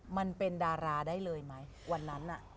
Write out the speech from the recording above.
มันเป็นดาราได้เลยไหมวันนั้น